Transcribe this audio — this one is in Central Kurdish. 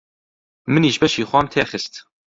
منیش بەشی خۆم تێ خست.